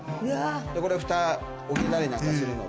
これ蓋置けたりなんかするので。